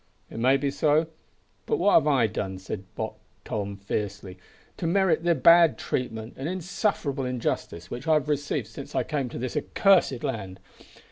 "It may be so. But what have I done," said Buck Tom fiercely, "to merit the bad treatment and insufferable injustice which I have received since I came to this accursed land?